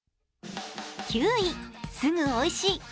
９位、「すぐおいしい！